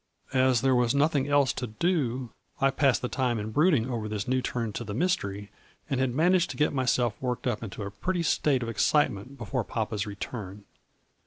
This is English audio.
" As there was nothing else to do, I passed the time in brooding over this new turn to the mystery, and had managed to get myself worked up into a pretty state of excitement before papa's return.